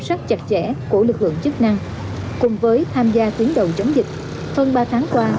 sát chặt chẽ của lực lượng chức năng cùng với tham gia tuyến đầu chống dịch hơn ba tháng qua